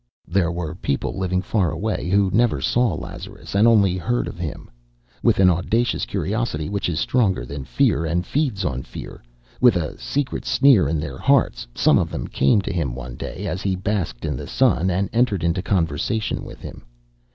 There were people living far away who never saw Lazarus and only heard of him. With an audacious curiosity which is stronger than fear and feeds on fear, with a secret sneer in their hearts, some of them came to him one day as he basked in the sun, and entered into conversation with him.